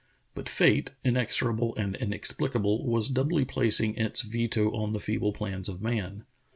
But fate, inexorable and inexplicable, was doubly placing its veto on the feeble plans of man.